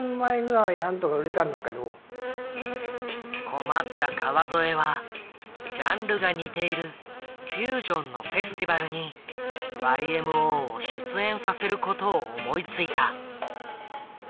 困った川添はジャンルが似ているフュージョンのフェスティバルにＹＭＯを出演させることを思いついた。